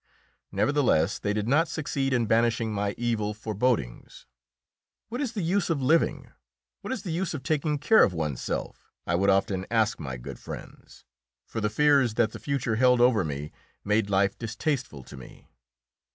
Nevertheless, they did not succeed in banishing my evil forebodings. "What is the use of living; what is the use of taking care of oneself?" I would often ask my good friends, for the fears that the future held over me made life distasteful to me.